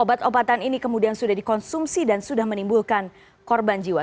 obat obatan ini kemudian sudah dikonsumsi dan sudah menimbulkan korban jiwa